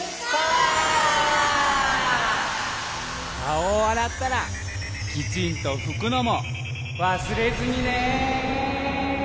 かおをあらったらきちんとふくのもわすれずにね。